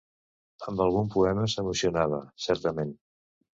Amb algun poema s’emocionava, certament.